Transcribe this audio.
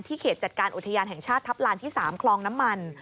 เขตจัดการอุทยานแห่งชาติทัพลานที่๓คลองน้ำมัน